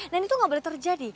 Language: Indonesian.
dan itu gak boleh terjadi